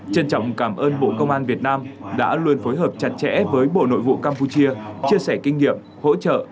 trân trọng cảm ơn bộ công an việt nam đã luôn phối hợp chặt chẽ với bộ nội vụ campuchia chia sẻ kinh nghiệm hỗ trợ